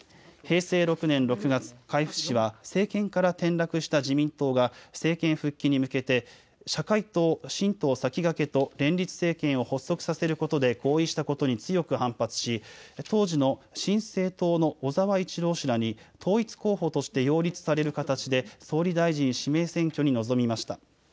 平成６年６月、海部氏は政権から転落した自民党が政権復帰に向けて社会党、新党さきがけと連立政権を発足させることで合意したことに強く反発し、当時の新生党の小沢一郎氏らに統一候補として擁立される形で総理大臣指名選挙に臨みました。